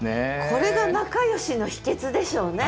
これが仲よしの秘けつでしょうね。